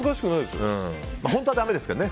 本当はだめですからね。